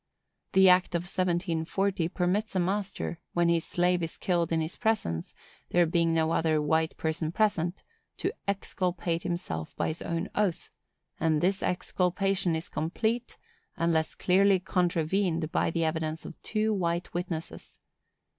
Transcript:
The act of 1740 permits a master, when his slave is killed in his presence, there being no other white person present, to exculpate himself by his own oath; and this exculpation is complete, unless clearly contravened by the evidence of two white witnesses.